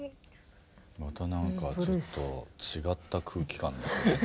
また何かちょっと違った空気感の。